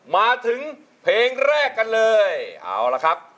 มาถึงเพลงแรกกันเลยเอาละครับ